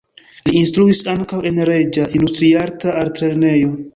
Li instruis ankaŭ en Reĝa Industriarta Altlernejo.